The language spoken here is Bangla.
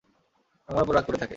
আমার উপর রাগ করে থাকে।